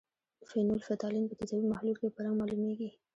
فینول فتالین په تیزابي محلول کې په رنګ معلومیږي.